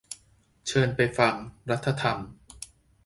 เชิญไปฟัง รัฐธรรม